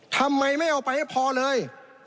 ทำไมไม่เอาไปให้พอเลย